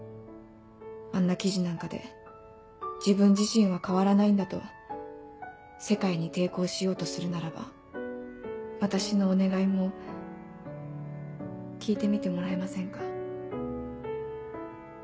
あんな記事なんかで自分自身は変わらないんだと世界に抵抗しようとするならば私のお願いも聞いてみてもらえませんか？